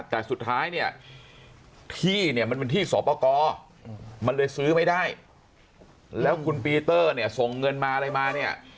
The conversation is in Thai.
แต่สุดท้ายเนี่ยที่เนี่ยมันเป็นที่สอบประกอบมันเลยซื้อไม่ได้แล้วคุณปีเตอร์เนี่ยส่งเงินมาอะไรมาเนี่ย